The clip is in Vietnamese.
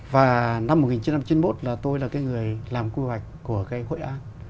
và năm một nghìn chín trăm chín mươi một là tôi là cái người làm quy hoạch của cái hội an